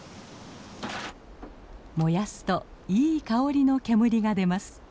燃やすといい香りの煙が出ます。